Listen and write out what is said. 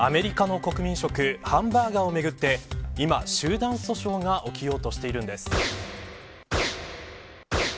アメリカの国民食ハンバーガーをめぐって、今、集団訴訟が起きようとしているんです。